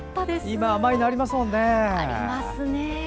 今、甘いのありますもんね。